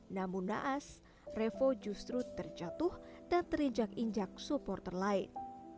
namun naas revo justru terjatuh dan terinjak injak supporter lain